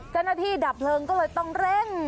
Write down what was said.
เจ้าหน้าที่ดับเพลิงก็เลยต้องเร่ง